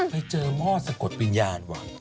ไปเจอมอดสะกดวิญญาณว่ะ